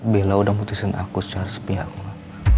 bella udah mutusin aku secara sepiak ma